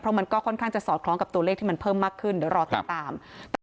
มันก็ค่อนข้างจะสอดคล้องกับตัวเลขที่มันเพิ่มมากขึ้นเดี๋ยวรอติดตาม